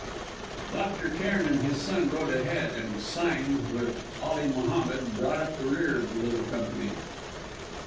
Dr. Cairn and his son rode ahead, and Sime, with Ali Mohammed, brought up the rear of the little company.